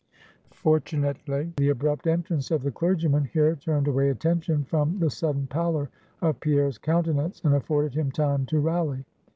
Fortunately, the abrupt entrance of the clergyman, here turned away attention from the sudden pallor of Pierre's countenance, and afforded him time to rally.